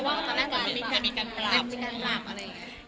เพราะว่าคำนั้นมีการปรับอะไร